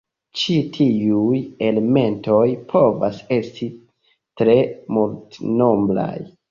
Ĉi tiuj elementoj povas esti tre multnombraj.